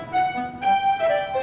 tidak terserah hati hati